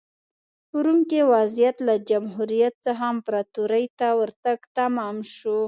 په روم کې وضعیت له جمهوریت څخه امپراتورۍ ته ورتګ تمام شو